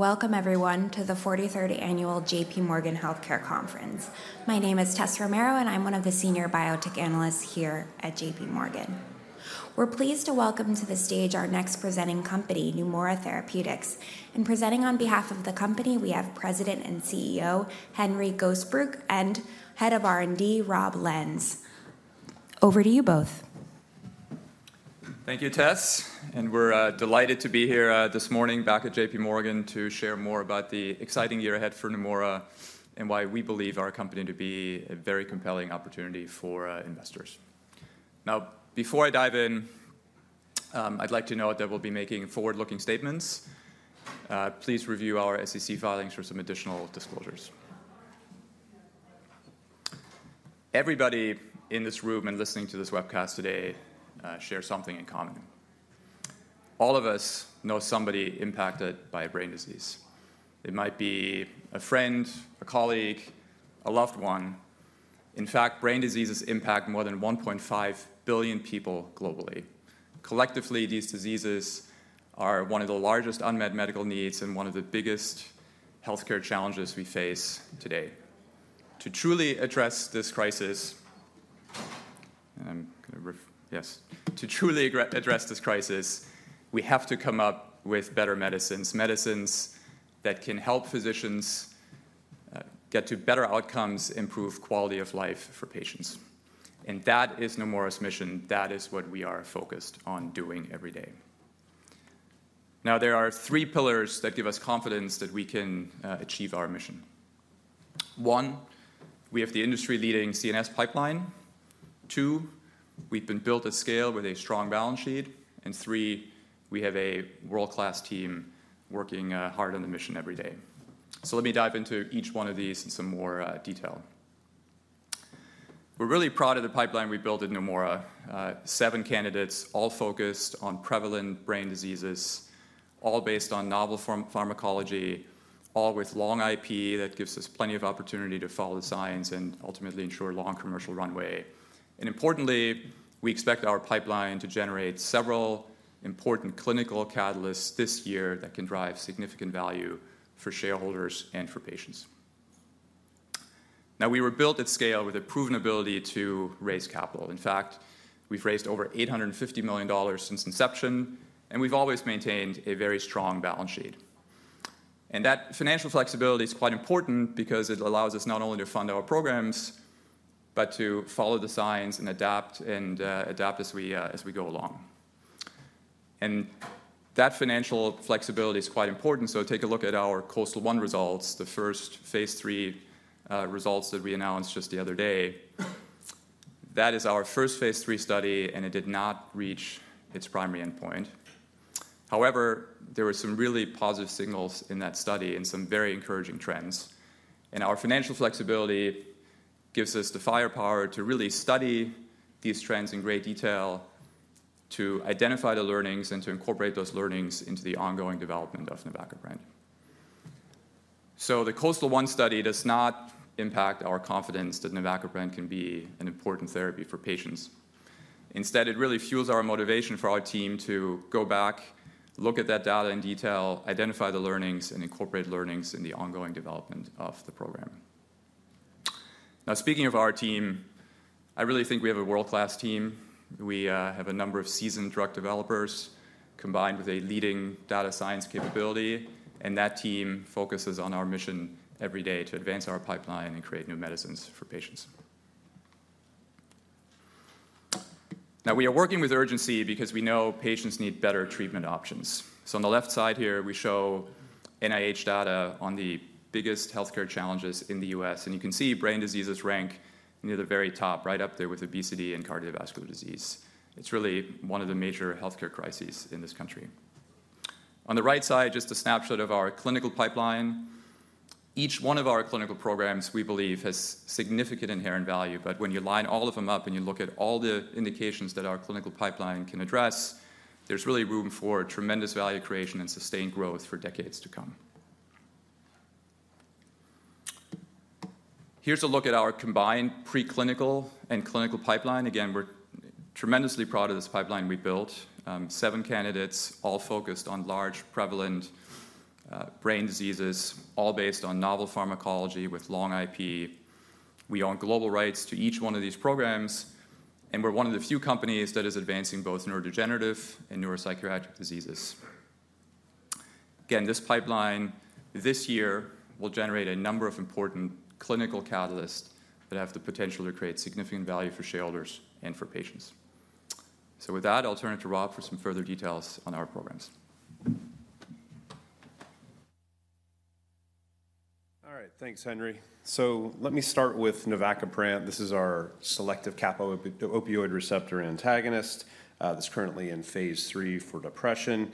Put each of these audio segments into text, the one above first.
Welcome, everyone, to the 43rd Annual JPMorgan Healthcare Conference. My name is Tessa Romero, and I'm one of the Senior Biotech Analysts here at JPMorgan. We're pleased to welcome to the stage our next presenting company, Neumora Therapeutics. And presenting on behalf of the company, we have President and CEO Henry Gosebruch and Head of R&D Rob Lenz. Over to you both. Thank you, Tess. And we're delighted to be here this morning back at JPMorgan to share more about the exciting year ahead for Neumora and why we believe our company to be a very compelling opportunity for investors. Now, before I dive in, I'd like to note that we'll be making forward-looking statements. Please review our SEC filings for some additional disclosures. Everybody in this room and listening to this webcast today shares something in common. All of us know somebody impacted by a brain disease. It might be a friend, a colleague, a loved one. In fact, brain diseases impact more than 1.5 billion people globally. Collectively, these diseases are one of the largest unmet medical needs and one of the biggest healthcare challenges we face today. To truly address this crisis, we have to come up with better medicines, medicines that can help physicians get to better outcomes, improve quality of life for patients, and that is Neumora's mission. That is what we are focused on doing every day. Now, there are three pillars that give us confidence that we can achieve our mission. One, we have the industry-leading CNS pipeline. Two, we've been built at scale with a strong balance sheet. And three, we have a world-class team working hard on the mission every day, so let me dive into each one of these in some more detail. We're really proud of the pipeline we built at Neumora. Seven candidates, all focused on prevalent brain diseases, all based on novel pharmacology, all with long IP that gives us plenty of opportunity to follow the science and ultimately ensure a long commercial runway. Importantly, we expect our pipeline to generate several important clinical catalysts this year that can drive significant value for shareholders and for patients. Now, we were built at scale with a proven ability to raise capital. In fact, we've raised over $850 million since inception, and we've always maintained a very strong balance sheet. And that financial flexibility is quite important because it allows us not only to fund our programs, but to follow the science and adapt as we go along. And that financial flexibility is quite important. So take a look at our KOASTAL-1 results, the first phase III results that we announced just the other day. That is our first phase III study, and it did not reach its primary endpoint. However, there were some really positive signals in that study and some very encouraging trends. Our financial flexibility gives us the firepower to really study these trends in great detail, to identify the learnings, and to incorporate those learnings into the ongoing development of navacaprant. The KOASTAL-1 study does not impact our confidence that navacaprant can be an important therapy for patients. Instead, it really fuels our motivation for our team to go back, look at that data in detail, identify the learnings, and incorporate learnings in the ongoing development of the program. Now, speaking of our team, I really think we have a world-class team. We have a number of seasoned drug developers combined with a leading data science capability. And that team focuses on our mission every day to advance our pipeline and create new medicines for patients. Now, we are working with urgency because we know patients need better treatment options. On the left side here, we show NIH data on the biggest healthcare challenges in the U.S. You can see brain diseases rank near the very top, right up there with obesity and cardiovascular disease. It's really one of the major healthcare crises in this country. On the right side, just a snapshot of our clinical pipeline. Each one of our clinical programs, we believe, has significant inherent value. When you line all of them up and you look at all the indications that our clinical pipeline can address, there's really room for tremendous value creation and sustained growth for decades to come. Here's a look at our combined preclinical and clinical pipeline. Again, we're tremendously proud of this pipeline we built. Seven candidates, all focused on large prevalent brain diseases, all based on novel pharmacology with long IP. We own global rights to each one of these programs. And we're one of the few companies that is advancing both neurodegenerative and neuropsychiatric diseases. Again, this pipeline this year will generate a number of important clinical catalysts that have the potential to create significant value for shareholders and for patients. So with that, I'll turn it to Rob for some further details on our programs. All right. Thanks, Henry. So let me start with navacaprant. This is our selective kappa-opioid receptor antagonist that's currently in phase III for depression.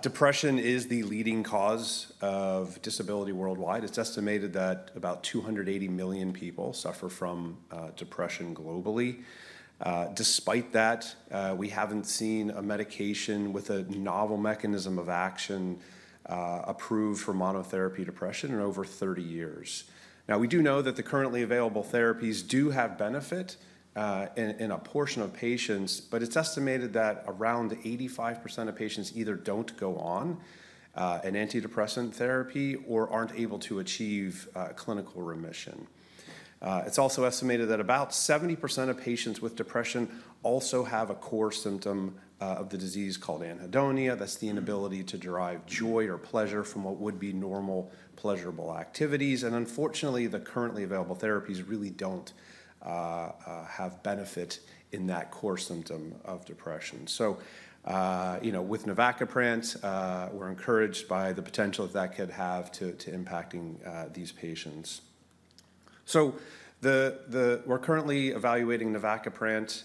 Depression is the leading cause of disability worldwide. It's estimated that about 280 million people suffer from depression globally. Despite that, we haven't seen a medication with a novel mechanism of action approved for monotherapy depression in over 30 years. Now, we do know that the currently available therapies do have benefit in a portion of patients, but it's estimated that around 85% of patients either don't go on an antidepressant therapy or aren't able to achieve clinical remission. It's also estimated that about 70% of patients with depression also have a core symptom of the disease called anhedonia, that's the inability to derive joy or pleasure from what would be normal pleasurable activities. Unfortunately, the currently available therapies really don't have benefit in that core symptom of depression. So with navacaprant, we're encouraged by the potential that that could have to impacting these patients. So we're currently evaluating navacaprant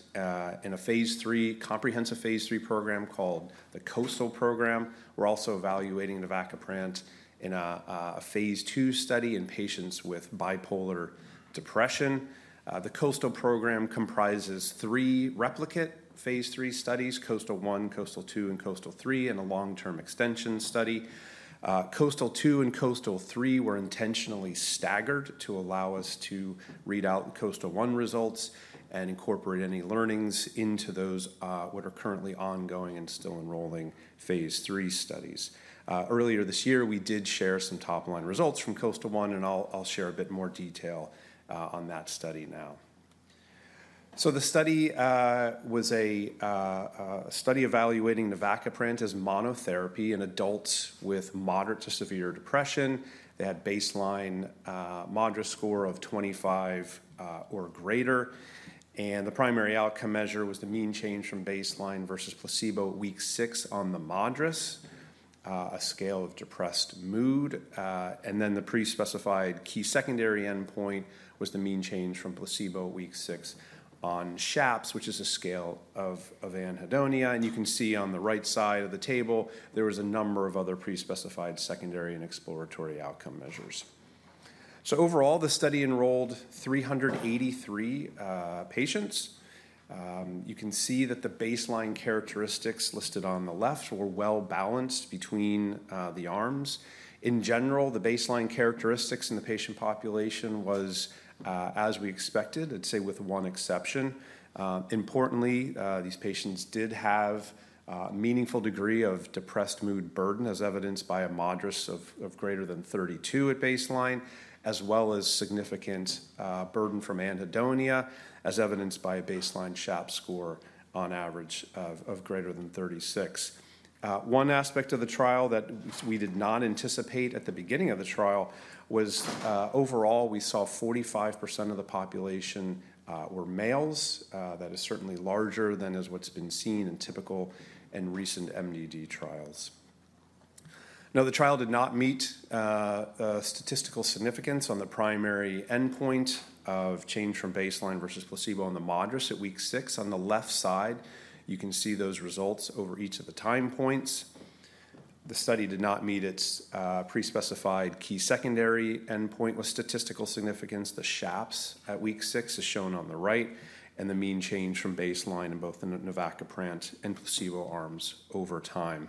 in a phase III comprehensive phase III program called the KOASTAL Program. We're also evaluating navacaprant in a phase II study in patients with bipolar depression. The KOASTAL Program comprises three replicate phase III studies: KOASTAL-1, KOASTAL-2, and KOASTAL-3, and a long-term extension study. KOASTAL-2 and KOASTAL-3 were intentionally staggered to allow us to read out the KOASTAL-1 results and incorporate any learnings into those that are currently ongoing and still enrolling phase III studies. Earlier this year, we did share some top-line results from KOASTAL-1, and I'll share a bit more detail on that study now. The study was a study evaluating navacaprant as monotherapy in adults with moderate to severe depression. They had baseline MADRS score of 25 or greater. The primary outcome measure was the mean change from baseline versus placebo week six on the MADRS on a scale of depressed mood. The pre-specified key secondary endpoint was the mean change from placebo week six on SHAPS, which is a scale of anhedonia. You can see on the right side of the table, there was a number of other pre-specified secondary and exploratory outcome measures. Overall, the study enrolled 383 patients. You can see that the baseline characteristics listed on the left were well-balanced between the arms. In general, the baseline characteristics in the patient population was, as we expected, I'd say with one exception. Importantly, these patients did have a meaningful degree of depressed mood burden, as evidenced by a MADRS of greater than 32 at baseline, as well as significant burden from anhedonia, as evidenced by a baseline SHAPS score on average of greater than 36. One aspect of the trial that we did not anticipate at the beginning of the trial was overall, we saw 45% of the population were males. That is certainly larger than is what's been seen in typical and recent MDD trials. Now, the trial did not meet statistical significance on the primary endpoint of change from baseline versus placebo on the MADRS at week six. On the left side, you can see those results over each of the time points. The study did not meet its pre-specified key secondary endpoint with statistical significance. The SHAPS at week six is shown on the right, and the mean change from baseline in both the navacaprant and placebo arms over time.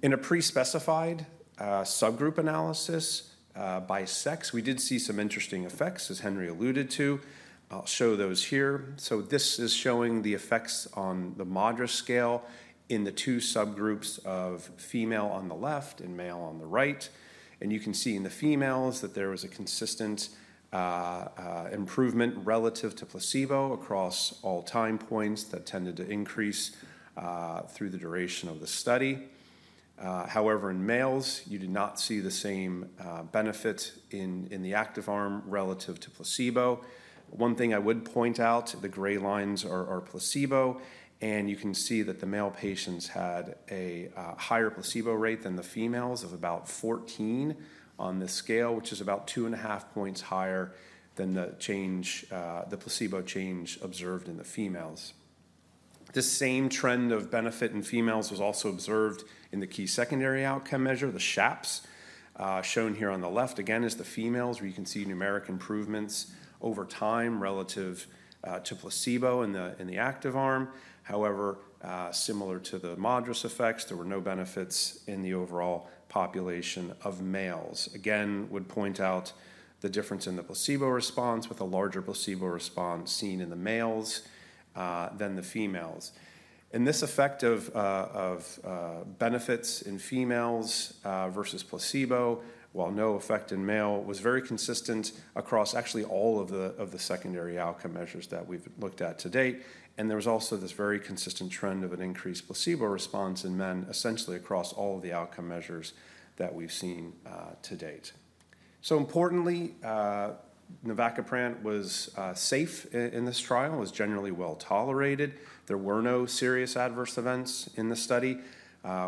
In a pre-specified subgroup analysis by sex, we did see some interesting effects, as Henry alluded to. I'll show those here. This is showing the effects on the MADRS in the two subgroups of female on the left and male on the right. You can see in the females that there was a consistent improvement relative to placebo across all time points that tended to increase through the duration of the study. However, in males, you did not see the same benefit in the active arm relative to placebo. One thing I would point out, the gray lines are placebo. You can see that the male patients had a higher placebo rate than the females of about 14 on this scale, which is about two and a half points higher than the placebo change observed in the females. The same trend of benefit in females was also observed in the key secondary outcome measure, the SHAPS, shown here on the left. Again, in the females, you can see numeric improvements over time relative to placebo in the active arm. However, similar to the MADRS effects, there were no benefits in the overall population of males. Again, I would point out the difference in the placebo response with a larger placebo response seen in the males than the females. And this effect of benefits in females versus placebo, while no effect in males, was very consistent across actually all of the secondary outcome measures that we've looked at to date. There was also this very consistent trend of an increased placebo response in men, essentially across all of the outcome measures that we've seen to date. Importantly, navacaprant was safe in this trial, was generally well tolerated. There were no serious adverse events in the study,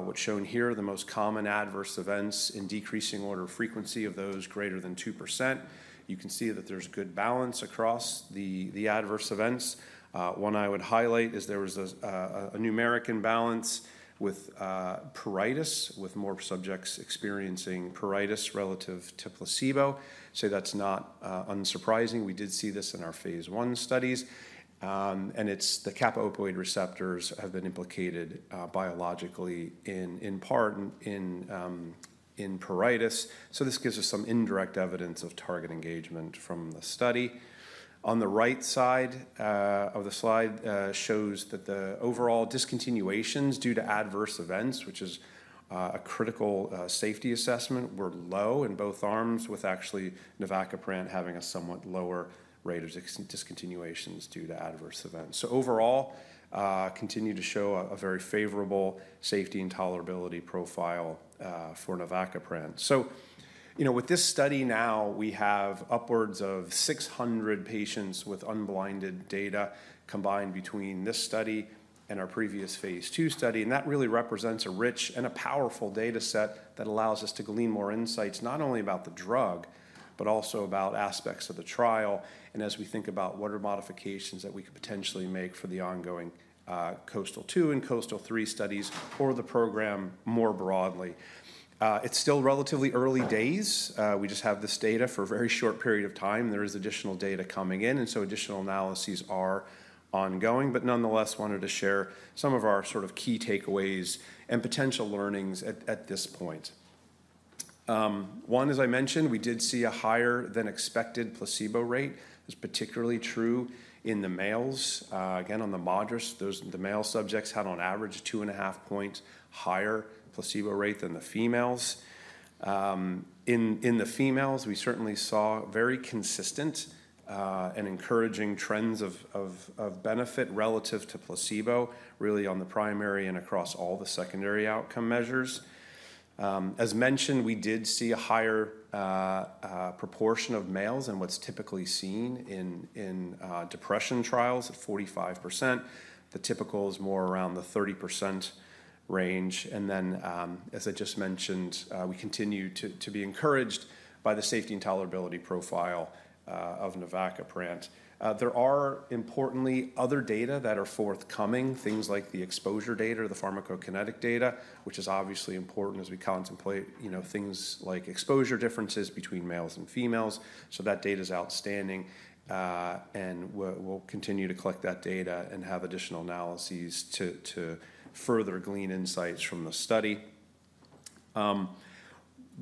which shown here the most common adverse events in decreasing order of frequency of those greater than 2%. You can see that there's good balance across the adverse events. One I would highlight is there was a numeric imbalance with pruritus, with more subjects experiencing pruritus relative to placebo. That's not unsurprising. We did see this in our phase I studies. It's the kappa-opioid receptors that have been implicated biologically in part in pruritus. This gives us some indirect evidence of target engagement from the study. On the right side of the slide shows that the overall discontinuations due to adverse events, which is a critical safety assessment, were low in both arms, with actually navacaprant having a somewhat lower rate of discontinuations due to adverse events. So overall, continue to show a very favorable safety and tolerability profile for navacaprant. So with this study now, we have upwards of 600 patients with unblinded data combined between this study and our previous phase 2 study. And that really represents a rich and a powerful data set that allows us to glean more insights, not only about the drug, but also about aspects of the trial. And as we think about what are modifications that we could potentially make for the ongoing KOASTAL-2 and KOASTAL-3 studies for the program more broadly. It's still relatively early days. We just have this data for a very short period of time. There is additional data coming in, and so additional analyses are ongoing, but nonetheless, I wanted to share some of our sort of key takeaways and potential learnings at this point. One, as I mentioned, we did see a higher than expected placebo rate. It's particularly true in the males. Again, on the MADRS, the male subjects had on average a two and a half point higher placebo rate than the females. In the females, we certainly saw very consistent and encouraging trends of benefit relative to placebo, really on the primary and across all the secondary outcome measures. As mentioned, we did see a higher proportion of males than what's typically seen in depression trials at 45%. The typical is more around the 30% range. Then, as I just mentioned, we continue to be encouraged by the safety and tolerability profile of navacaprant. There are importantly other data that are forthcoming, things like the exposure data or the pharmacokinetic data, which is obviously important as we contemplate things like exposure differences between males and females. That data is outstanding. We'll continue to collect that data and have additional analyses to further glean insights from the study.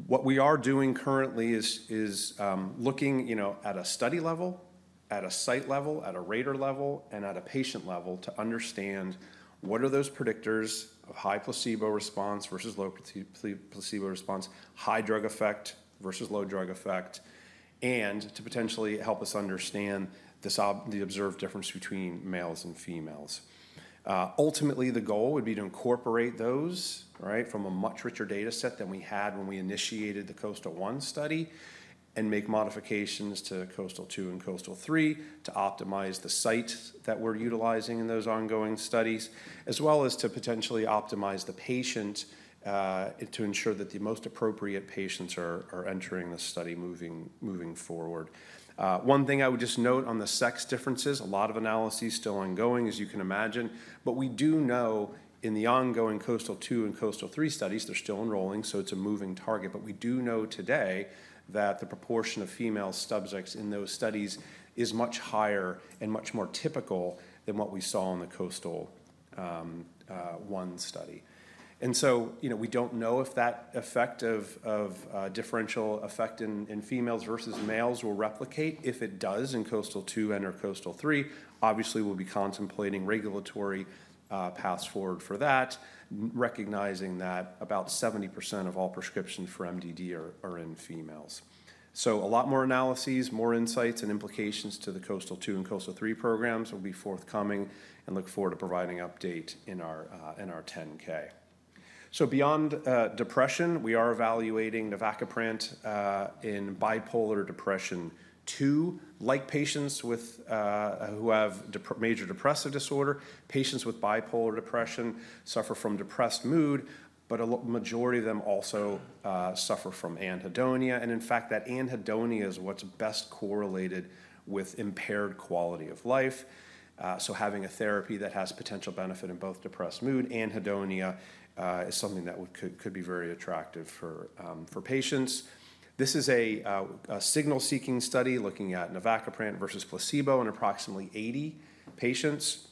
What we are doing currently is looking at a study level, at a site level, at a rater level, and at a patient level to understand what are those predictors of high placebo response versus low placebo response, high drug effect versus low drug effect, and to potentially help us understand the observed difference between males and females. Ultimately, the goal would be to incorporate those from a much richer data set than we had when we initiated the KOASTAL-1 study and make modifications to KOASTAL-2 and KOASTAL-3 to optimize the sites that we're utilizing in those ongoing studies, as well as to potentially optimize the patient to ensure that the most appropriate patients are entering the study moving forward. One thing I would just note on the sex differences, a lot of analyses still ongoing, as you can imagine. But we do know in the ongoing KOASTAL-2 and KOASTAL-3 studies, they're still enrolling, so it's a moving target. But we do know today that the proportion of female subjects in those studies is much higher and much more typical than what we saw in the KOASTAL-1 study. And so we don't know if that effect of differential effect in females versus males will replicate. If it does in KOASTAL-2 and/or KOASTAL-3, obviously, we'll be contemplating regulatory paths forward for that, recognizing that about 70% of all prescriptions for MDD are in females. So a lot more analyses, more insights, and implications to the KOASTAL-2 and KOASTAL-3 programs will be forthcoming. And look forward to providing update in our 10-K. So beyond depression, we are evaluating navacaprant in bipolar II depression. Like patients who have major depressive disorder, patients with bipolar depression suffer from depressed mood, but a majority of them also suffer from anhedonia. And in fact, that anhedonia is what's best correlated with impaired quality of life. So having a therapy that has potential benefit in both depressed mood and anhedonia is something that could be very attractive for patients. This is a signal-seeking study looking at navacaprant versus placebo in approximately 80 patients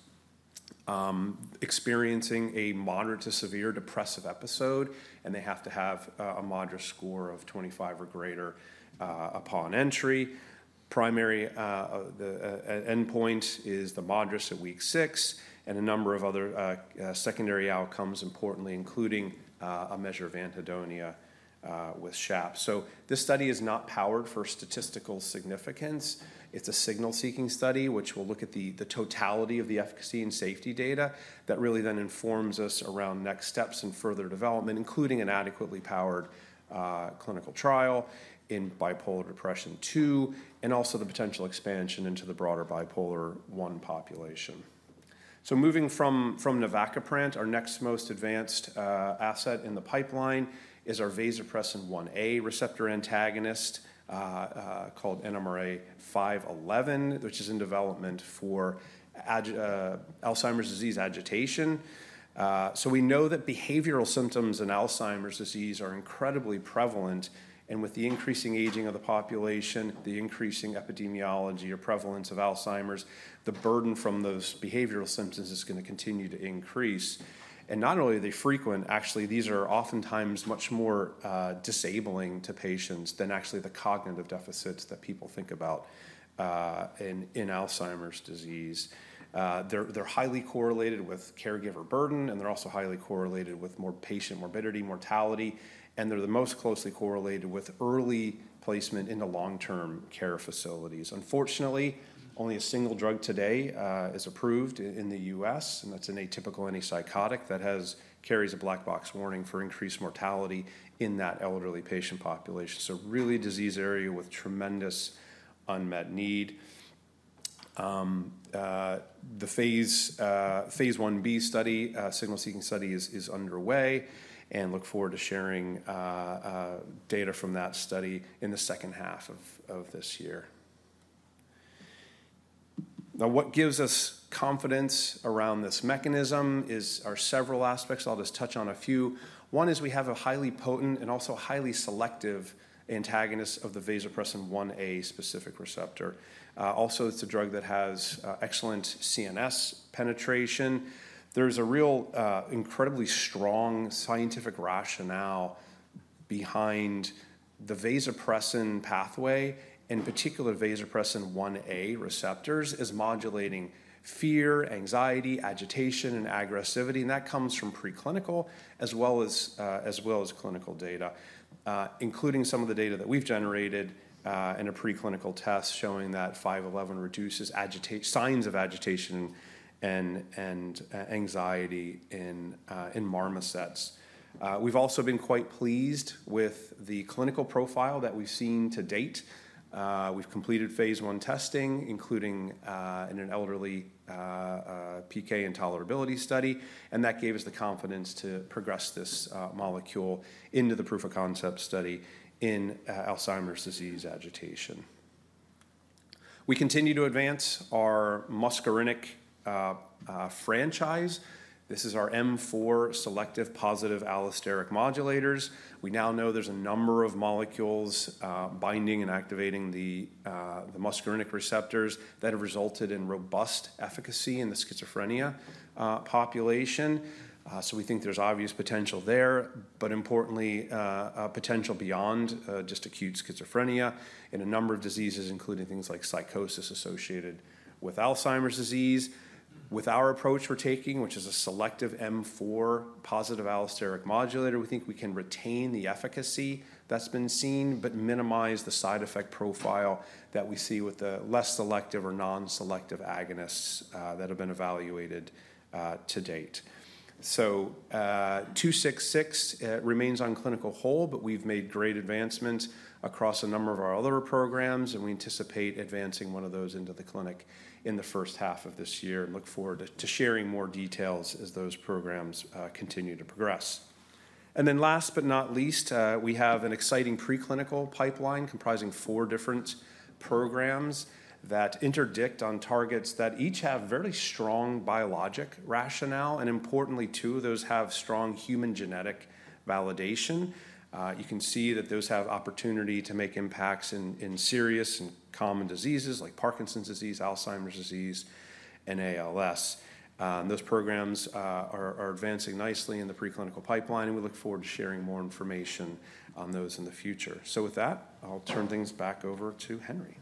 experiencing a moderate to severe depressive episode. And they have to have a MADRS score of 25 or greater upon entry. Primary endpoint is the MADRS at week six and a number of other secondary outcomes, importantly including a measure of anhedonia with SHAPS. So this study is not powered for statistical significance. It's a signal-seeking study, which will look at the totality of the efficacy and safety data that really then informs us around next steps and further development, including an adequately powered clinical trial in bipolar II depression and also the potential expansion into the broader bipolar I population. So moving from navacaprant, our next most advanced asset in the pipeline is our vasopressin 1a receptor antagonist called NMRA-511, which is in development for Alzheimer's disease agitation. So we know that behavioral symptoms in Alzheimer's disease are incredibly prevalent. And with the increasing aging of the population, the increasing epidemiology or prevalence of Alzheimer's, the burden from those behavioral symptoms is going to continue to increase. And not only are they frequent, actually, these are oftentimes much more disabling to patients than actually the cognitive deficits that people think about in Alzheimer's disease. They're highly correlated with caregiver burden, and they're also highly correlated with more patient morbidity, mortality. And they're the most closely correlated with early placement into long-term care facilities. Unfortunately, only a single drug today is approved in the U.S., and that's an atypical antipsychotic that carries a black box warning for increased mortality in that elderly patient population. So really a disease area with tremendous unmet need. The phase Ib study, signal-seeking study is underway, and look forward to sharing data from that study in the second half of this year. Now, what gives us confidence around this mechanism are several aspects. I'll just touch on a few. One is we have a highly potent and also highly selective antagonist of the vasopressin 1a specific receptor. Also, it's a drug that has excellent CNS penetration. There's a real incredibly strong scientific rationale behind the vasopressin pathway, in particular, vasopressin 1a receptors as modulating fear, anxiety, agitation, and aggressivity, and that comes from preclinical as well as clinical data, including some of the data that we've generated in a preclinical test showing that NMRA-511 reduces signs of agitation and anxiety in marmosets. We've also been quite pleased with the clinical profile that we've seen to date. We've completed phase I testing, including in an elderly PK and tolerability study, and that gave us the confidence to progress this molecule into the proof of concept study in Alzheimer's disease agitation. We continue to advance our muscarinic franchise. This is our M4 selective positive allosteric modulators. We now know there's a number of molecules binding and activating the muscarinic receptors that have resulted in robust efficacy in the schizophrenia population, so we think there's obvious potential there, but importantly, potential beyond just acute schizophrenia in a number of diseases, including things like psychosis associated with Alzheimer's disease. With our approach we're taking, which is a selective M4 positive allosteric modulator, we think we can retain the efficacy that's been seen, but minimize the side effect profile that we see with the less selective or non-selective agonists that have been evaluated to date. NMRA-266 remains on clinical hold, but we've made great advancements across a number of our other programs. And we anticipate advancing one of those into the clinic in the first half of this year and look forward to sharing more details as those programs continue to progress. And then last but not least, we have an exciting preclinical pipeline comprising four different programs that interdict on targets that each have very strong biologic rationale. And importantly, two of those have strong human genetic validation. You can see that those have opportunity to make impacts in serious and common diseases like Parkinson's disease, Alzheimer's disease, and ALS. Those programs are advancing nicely in the preclinical pipeline. And we look forward to sharing more information on those in the future. So with that, I'll turn things back over to Henry.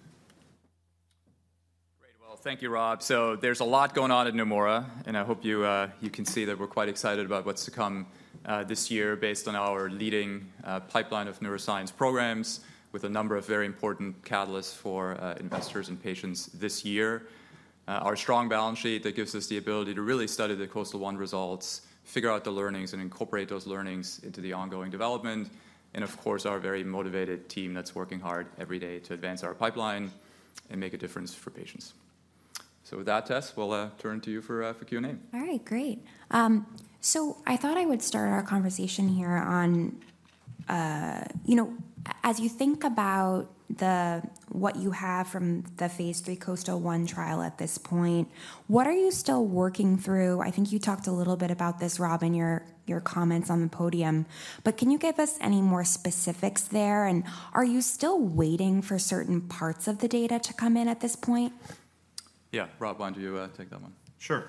Great. Well, thank you, Rob, so there's a lot going on at Neumora, and I hope you can see that we're quite excited about what's to come this year based on our leading pipeline of neuroscience programs with a number of very important catalysts for investors and patients this year, our strong balance sheet that gives us the ability to really study the KOASTAL-1 results, figure out the learnings, and incorporate those learnings into the ongoing development, and of course, our very motivated team that's working hard every day to advance our pipeline and make a difference for patients. So with that, Tessa, we'll turn to you for Q&A. All right. Great. So I thought I would start our conversation here on, as you think about what you have from the phase III KOASTAL-1 trial at this point, what are you still working through? I think you talked a little bit about this, Rob, in your comments on the podium. But can you give us any more specifics there? And are you still waiting for certain parts of the data to come in at this point? Yeah. Rob, why don't you take that one? Sure.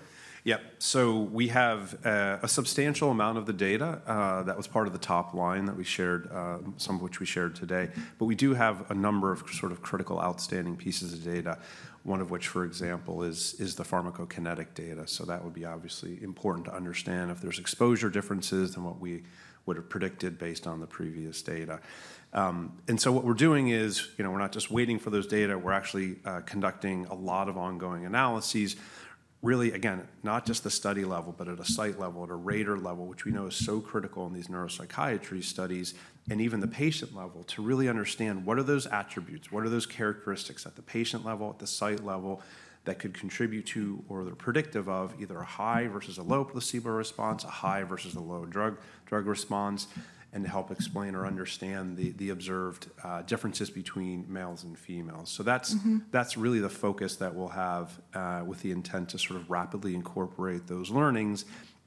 Yeah. So we have a substantial amount of the data that was part of the top line that we shared, some of which we shared today. But we do have a number of sort of critical outstanding pieces of data, one of which, for example, is the pharmacokinetic data. So that would be obviously important to understand if there's exposure differences than what we would have predicted based on the previous data. And so what we're doing is we're not just waiting for those data. We're actually conducting a lot of ongoing analyses, really, again, not just at the study level, but at a site level, at a rater level, which we know is so critical in these neuropsychiatry studies and even the patient level to really understand what are those attributes, what are those characteristics at the patient level, at the site level that could contribute to or that are predictive of either a high versus a low placebo response, a high versus a low drug response, and to help explain or understand the observed differences between males and females. So that's really the focus that we'll have with the intent to sort of rapidly incorporate those learnings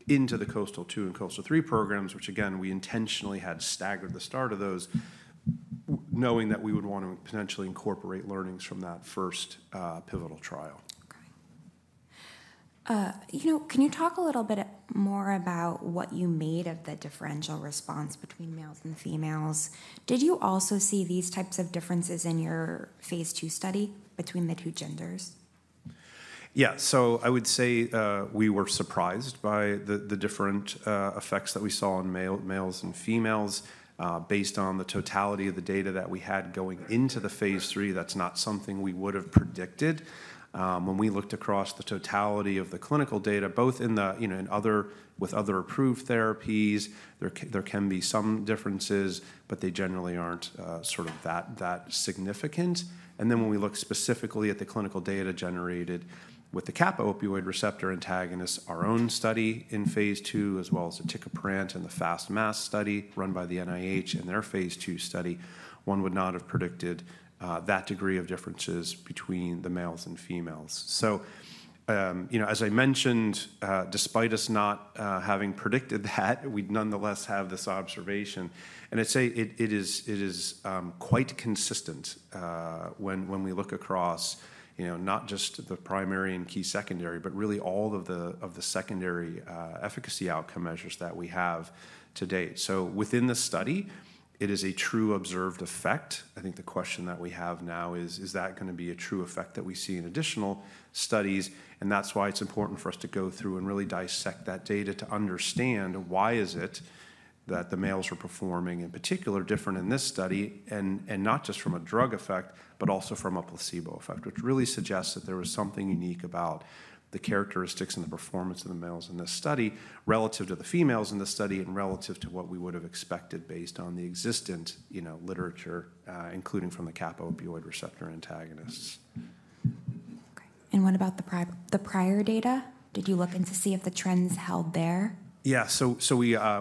into the KOASTAL-2 and KOASTAL-3 programs, which, again, we intentionally had staggered the start of those knowing that we would want to potentially incorporate learnings from that first pivotal trial. Can you talk a little bit more about what you made of the differential response between males and females? Did you also see these types of differences in your phase II study between the two genders? Yeah. So I would say we were surprised by the different effects that we saw in males and females based on the totality of the data that we had going into the phase III. That's not something we would have predicted. When we looked across the totality of the clinical data, both in other with other approved therapies, there can be some differences, but they generally aren't sort of that significant. And then when we look specifically at the clinical data generated with the kappa-opioid receptor antagonist, our own study in phase II, as well as the aticaprant and the FAST-MAS study run by the NIH in their phase II study, one would not have predicted that degree of differences between the males and females. So as I mentioned, despite us not having predicted that, we nonetheless have this observation. And I'd say it is quite consistent when we look across not just the primary and key secondary, but really all of the secondary efficacy outcome measures that we have to date. So within the study, it is a true observed effect. I think the question that we have now is, is that going to be a true effect that we see in additional studies? That's why it's important for us to go through and really dissect that data to understand why is it that the males were performing in particular different in this study, and not just from a drug effect, but also from a placebo effect, which really suggests that there was something unique about the characteristics and the performance of the males in this study relative to the females in the study and relative to what we would have expected based on the existent literature, including from the kappa-opioid receptor antagonists. What about the prior data? Did you look into to see if the trends held there? Yeah, so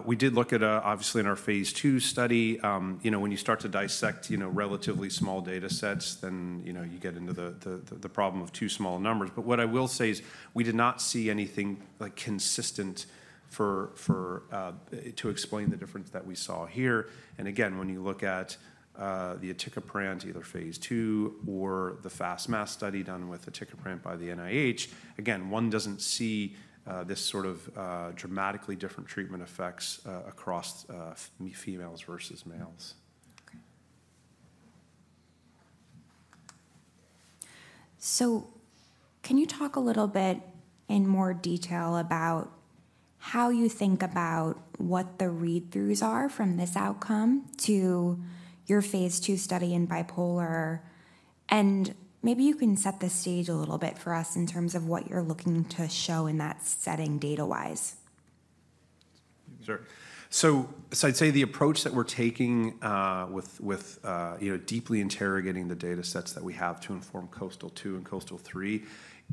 we did look at, obviously, in our phase II study, when you start to dissect relatively small data sets, then you get into the problem of too small numbers. But what I will say is we did not see anything consistent to explain the difference that we saw here, and again, when you look at the aticaprant, either phase II or the FAST-MAS study done with the aticaprant by the NIH, again, one doesn't see this sort of dramatically different treatment effects across females versus males. Can you talk a little bit in more detail about how you think about what the read-throughs are from this outcome to your phase II study in bipolar? Maybe you can set the stage a little bit for us in terms of what you're looking to show in that setting data-wise. Sure, so I'd say the approach that we're taking with deeply interrogating the data sets that we have to inform KOASTAL-2 and KOASTAL-3,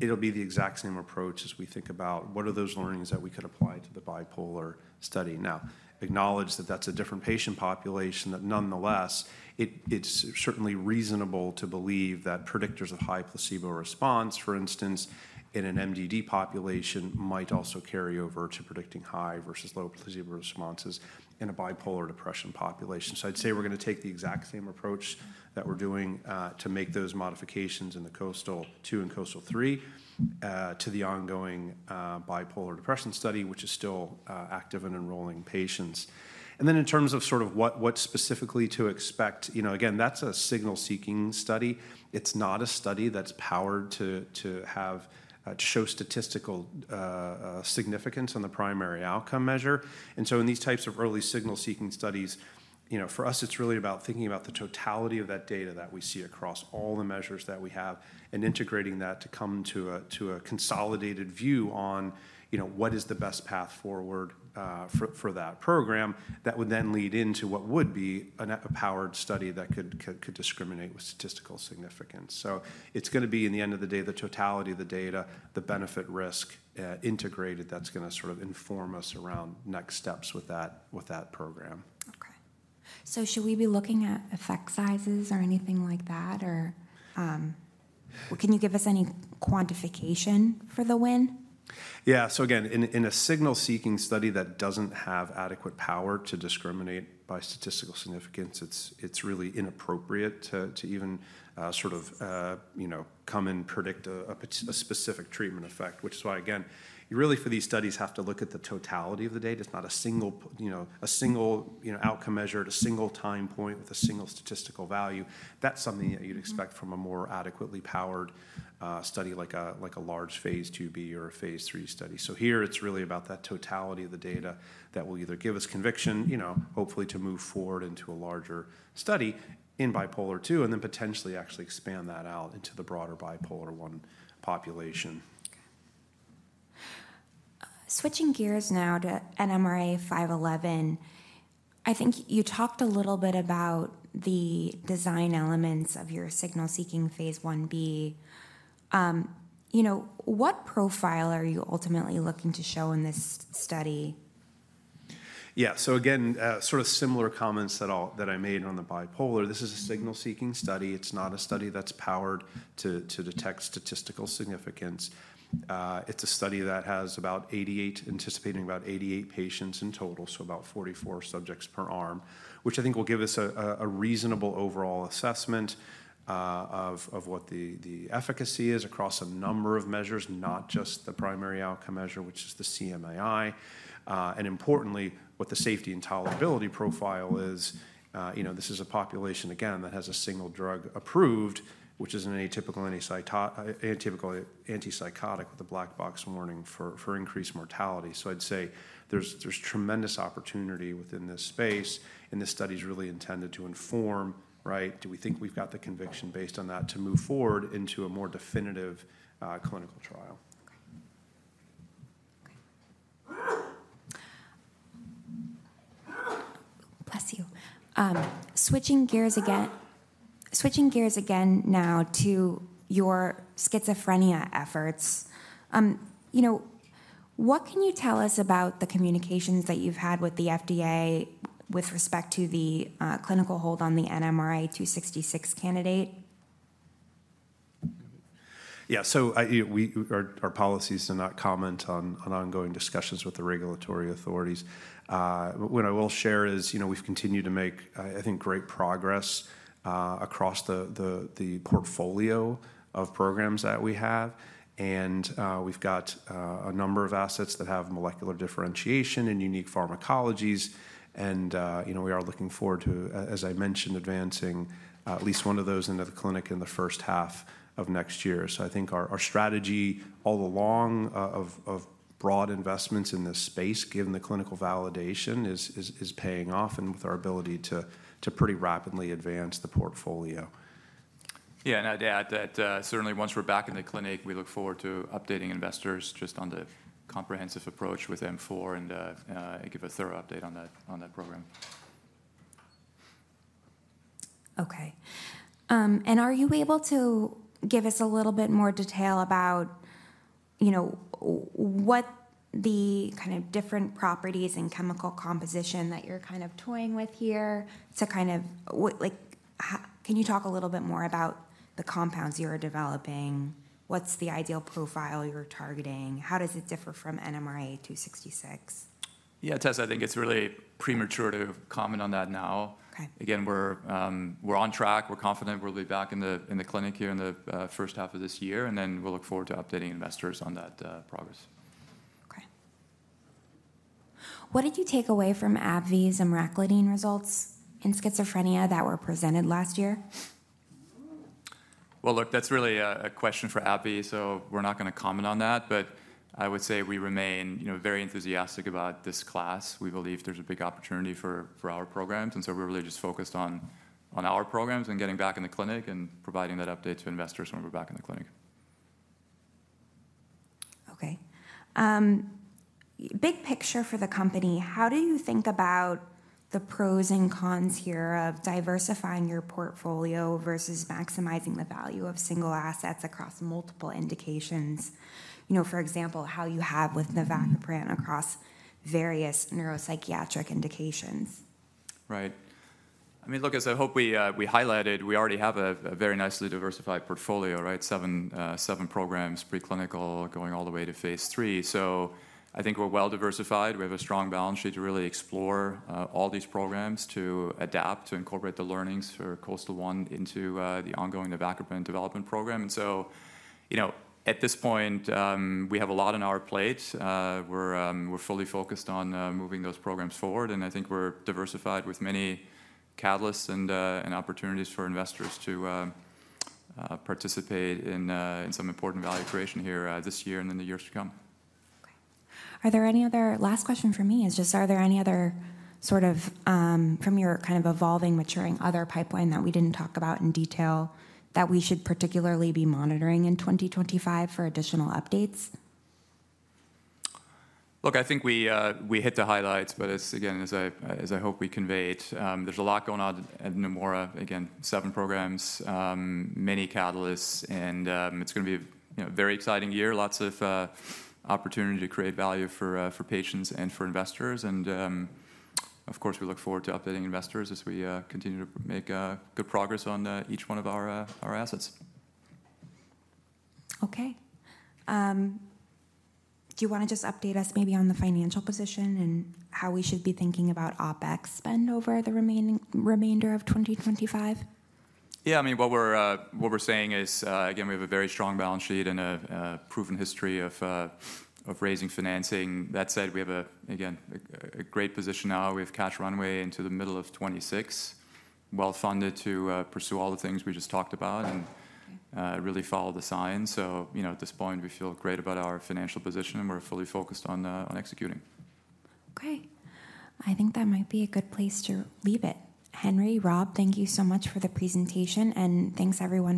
it'll be the exact same approach as we think about what are those learnings that we could apply to the bipolar study. Now, acknowledge that that's a different patient population, that nonetheless, it's certainly reasonable to believe that predictors of high placebo response, for instance, in an MDD population might also carry over to predicting high versus low placebo responses in a bipolar depression population, so I'd say we're going to take the exact same approach that we're doing to make those modifications in the KOASTAL-2 and KOASTAL-3 to the ongoing bipolar depression study, which is still active in enrolling patients, and then in terms of sort of what specifically to expect, again, that's a signal-seeking study. It's not a study that's powered to show statistical significance on the primary outcome measure, and so in these types of early signal-seeking studies, for us, it's really about thinking about the totality of that data that we see across all the measures that we have and integrating that to come to a consolidated view on what is the best path forward for that program that would then lead into what would be a powered study that could discriminate with statistical significance, so it's going to be, in the end of the day, the totality of the data, the benefit-risk integrated that's going to sort of inform us around next steps with that program. So should we be looking at effect sizes or anything like that? Or can you give us any quantification for the win? Yeah. So again, in a signal-seeking study that doesn't have adequate power to discriminate by statistical significance, it's really inappropriate to even sort of come and predict a specific treatment effect, which is why, again, you really for these studies have to look at the totality of the data. It's not a single outcome measure at a single time point with a single statistical value. That's something that you'd expect from a more adequately powered study like a large phase IIb or a phase III study. So here, it's really about that totality of the data that will either give us conviction, hopefully to move forward into a larger study in bipolar II, and then potentially actually expand that out into the broader bipolar I population. Switching gears now to NMRA-511, I think you talked a little bit about the design elements of your signal-seeking phase 1b. What profile are you ultimately looking to show in this study? Yeah. So again, sort of similar comments that I made on the bipolar. This is a signal-seeking study. It's not a study that's powered to detect statistical significance. It's a study that has about 88, anticipating about 88 patients in total, so about 44 subjects per arm, which I think will give us a reasonable overall assessment of what the efficacy is across a number of measures, not just the primary outcome measure, which is the CMAI. And importantly, what the safety and tolerability profile is. This is a population, again, that has a single drug approved, which is an atypical antipsychotic with a black box warning for increased mortality. So I'd say there's tremendous opportunity within this space. And this study is really intended to inform, do we think we've got the conviction based on that to move forward into a more definitive clinical trial? Bless you. Switching gears again now to your schizophrenia efforts. What can you tell us about the communications that you've had with the FDA with respect to the clinical hold on the NMRA-266 candidate? Yeah. So our policies do not comment on ongoing discussions with the regulatory authorities. What I will share is we've continued to make, I think, great progress across the portfolio of programs that we have. And we've got a number of assets that have molecular differentiation and unique pharmacologies. And we are looking forward to, as I mentioned, advancing at least one of those into the clinic in the first half of next year. So I think our strategy all along of broad investments in this space, given the clinical validation, is paying off and with our ability to pretty rapidly advance the portfolio. Yeah. And I'd add that certainly once we're back in the clinic, we look forward to updating investors just on the comprehensive approach with M4 and give a thorough update on that program. Okay. And are you able to give us a little bit more detail about what the kind of different properties and chemical composition that you're kind of toying with here? Can you talk a little bit more about the compounds you're developing? What's the ideal profile you're targeting? How does it differ from NMRA-266? Yeah. Tessa, I think it's really premature to comment on that now. Again, we're on track. We're confident we'll be back in the clinic here in the first half of this year, and then we'll look forward to updating investors on that progress. Okay. What did you take away from AbbVie's emraclidine results in schizophrenia that were presented last year? Look, that's really a question for AbbVie. We're not going to comment on that. I would say we remain very enthusiastic about this class. We believe there's a big opportunity for our programs. We're really just focused on our programs and getting back in the clinic and providing that update to investors when we're back in the clinic. Okay. Big picture for the company, how do you think about the pros and cons here of diversifying your portfolio versus maximizing the value of single assets across multiple indications? For example, how you have with the navacaprant across various neuropsychiatric indications. Right. I mean, look, as I hope we highlighted, we already have a very nicely diversified portfolio, seven programs, preclinical going all the way to phase 3, so I think we're well diversified. We have a strong balance sheet to really explore all these programs to adapt, to incorporate the learnings for KOASTAL-1 into the ongoing navacaprant development program, and so at this point, we have a lot on our plate. We're fully focused on moving those programs forward, and I think we're diversified with many catalysts and opportunities for investors to participate in some important value creation here this year and in the years to come. Is there any other last question for me? It's just, are there any other sort of from your kind of evolving, maturing other pipeline that we didn't talk about in detail that we should particularly be monitoring in 2025 for additional updates? Look, I think we hit the highlights, but again, as I hope we conveyed, there's a lot going on at Neumora. Again, seven programs, many catalysts, and it's going to be a very exciting year, lots of opportunity to create value for patients and for investors, and of course, we look forward to updating investors as we continue to make good progress on each one of our assets. Okay. Do you want to just update us maybe on the financial position and how we should be thinking about OpEx spend over the remainder of 2025? Yeah. I mean, what we're saying is, again, we have a very strong balance sheet and a proven history of raising financing. That said, we have a, again, a great position now. We have cash runway into the middle of 2026, well funded to pursue all the things we just talked about and really follow the signs. So at this point, we feel great about our financial position, and we're fully focused on executing. Great. I think that might be a good place to leave it. Henry, Rob, thank you so much for the presentation. And thanks, everyone.